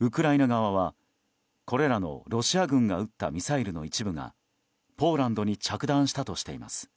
ウクライナ側はこれらのロシア軍が撃ったミサイルの一部が、ポーランドに着弾したとしています。